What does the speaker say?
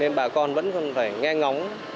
nên bà con vẫn không phải nghe ngóng